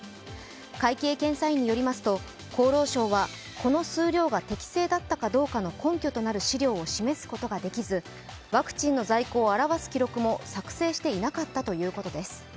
会計検査院によりますと、厚労省はこの数量が適正だったかどうか根拠となる資料を示すことができずワクチンの在庫を表す記録も作成していなかったということです。